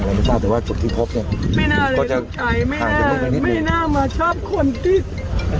ไม่รู้จักแต่ว่าจุดที่พบเนี่ยไม่น่าเลยลูกชายไม่น่าไม่น่ามาชอบคนติด